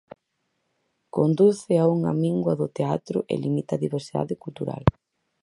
Conduce a unha mingua do teatro e limita á diversidade cultural.